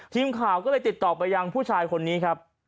ทีมข่าวก็เลยติดต่อไปยังผู้ชายคนนี้ครับ